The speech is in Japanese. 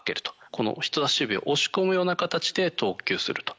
この人さし指を押し込むような形で投球すると。